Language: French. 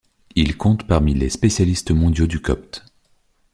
Il compte parmi les spécialistes mondiaux du copte.